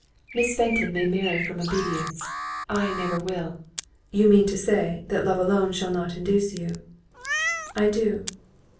"Miss Fenton may marry from obedience, I never will." "You mean to say, that love shall alone induce you." "I do."